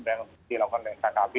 dan dilakukan oleh rkp